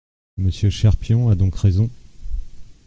Monsieur Cherpion a donc raison.